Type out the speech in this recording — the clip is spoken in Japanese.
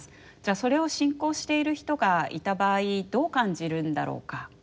それを信仰している人がいた場合どう感じるんだろうかとかですね